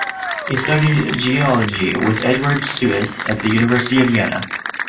He studied geology with Eduard Suess at the University of Vienna.